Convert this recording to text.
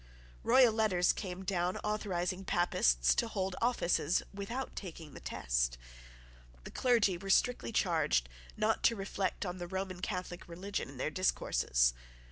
Royal letters came down authorising Papists to hold offices without taking the test. The clergy were strictly charged not to reflect on the Roman Catholic religion in their discourses.